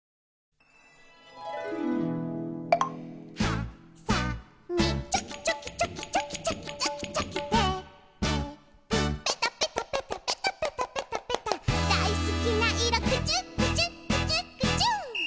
「はさみチョキチョキチョキチョキチョキチョキチョキ」「テープペタペタペタペタペタペタペタ」「だいすきないろクチュクチュクチュクチュ」